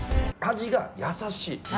味が優しい。